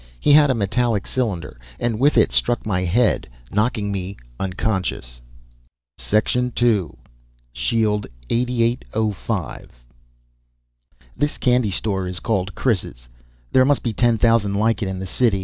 He had a metallic cylinder, and with it struck my head, knocking "me" unconscious. II Shield 8805 This candy store is called Chris's. There must be ten thousand like it in the city.